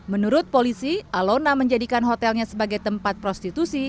menurut polisi alona menjadikan hotelnya sebagai tempat prostitusi